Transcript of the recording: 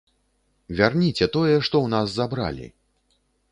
Вярніце тое, што ў нас забралі.